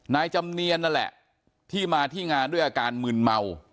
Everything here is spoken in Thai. นายจำเนียนนั่นแหละที่มาที่งานด้วยอาการมืนเมา